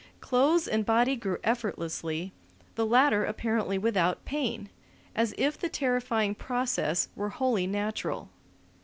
Clothes and body grew effortlessly, the latter apparently without pain, as if the terrifying process were wholly natural.